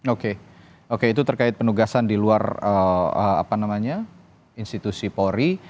oke oke itu terkait penugasan di luar institusi polri